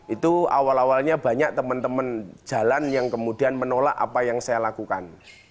itu awal awalnya banyak teman teman jalan yang kemudian menolak apa yang saya lakukan